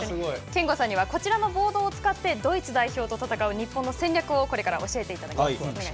憲剛さんにはこちらのボードを使ってドイツ代表と戦う日本の戦略をこれから教えていただきます。